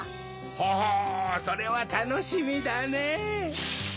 ほほうそれはたのしみだねぇ。